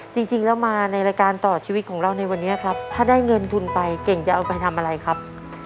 จริงแล้วมาในรายการต่อชีวิตของเราในวันนี้ครับถ้าได้เงินทุนไปเก่งจะเอาไปทำอะไรครับ